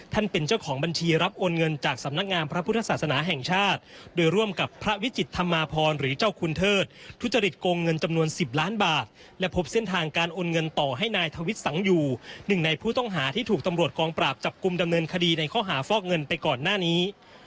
ทุจริตโกงเงินจำนวน๑๐ล้านบาทและพบเส้นทางการอ่นเงินต่อให้นายทวิชสังอยู่หนึ่งในผู้ต้องหาที่ถูกตำรวจกองปราบจับกลุ่มดำเนินคดีในข้อหาฟอกเงินไปก่อนหน้านี้